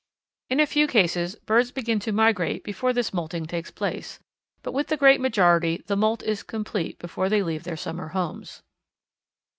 In a few cases birds begin to migrate before this moulting takes place, but with the great majority the moult is complete before they leave their summer homes.